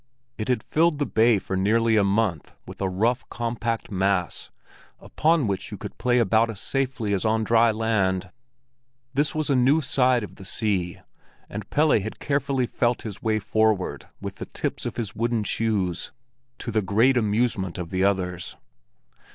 It had filled the bay for nearly a month with a rough, compact mass, upon which you could play about as safely as on dry land. This was a new side of the sea, and Pelle had carefully felt his way forward with the tips of his wooden shoes, to the great amusement of the others.